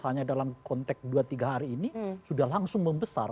hanya dalam konteks dua tiga hari ini sudah langsung membesar